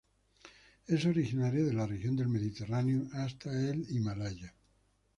Es originaria de la región del Mediterráneo hasta el Himalaya.